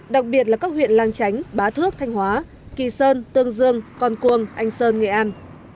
đặc biệt là các huyện lang chánh bá thước thanh hóa kỳ sơn tương dương con cuông anh sơn nghệ an